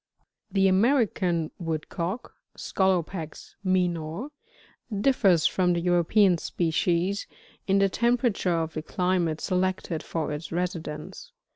53. [The American Woodcock, — Scolopax minor, — differs from the European species, in the temperature of the climates selected for its residence.